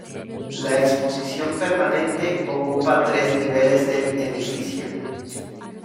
La exposición permanente ocupa tres niveles del edificio.